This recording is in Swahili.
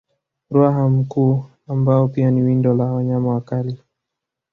Ruaha mkuu ambao pia ni windo la wanyama wakali